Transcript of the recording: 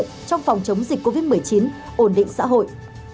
trong phòng chống dịch covid một mươi chín ổn định xã hội